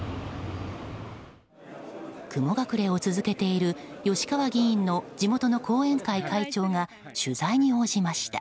雲隠れを続けている吉川議員の地元の後援会会長が取材に応じました。